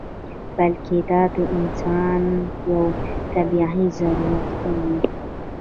بلکې دا د انسان یو طبعي ضرورت هم و.